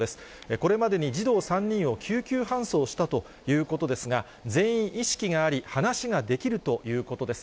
これまでに児童３人を救急搬送したということですが、全員意識があり、話ができるということです。